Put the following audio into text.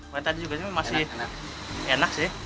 makanya tadi juga masih enak sih